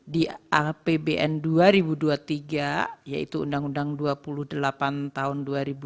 di apbn dua ribu dua puluh tiga yaitu undang undang dua puluh dan dua puluh satu